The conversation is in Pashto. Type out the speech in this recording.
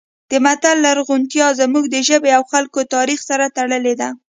د متل لرغونتیا زموږ د ژبې او خلکو تاریخ سره تړلې ده